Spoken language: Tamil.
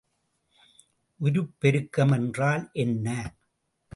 உருப்பெருக்கம் என்றால் என்ன?